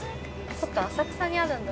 そっか浅草にあるんだ。